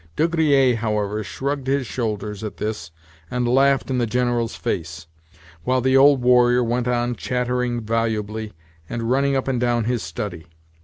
De Griers, however, shrugged his shoulders at this, and laughed in the General's face, while the old warrior went on chattering volubly, and running up and down his study.